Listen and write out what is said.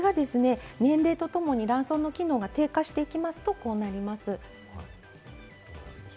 これがですね、年齢とともに卵巣の機能が低下していきますと、こうなります。